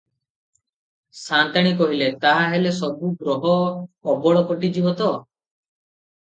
ସା’ନ୍ତାଣୀ କହିଲେ – ତାହା ହେଲେ ସବୁ ଗ୍ରହ ଅବଳ କଟି ଯିବ ତ?